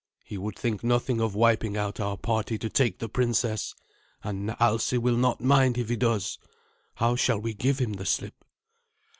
He would think nothing of wiping out our party to take the princess, and Alsi will not mind if he does. How shall we give him the slip?"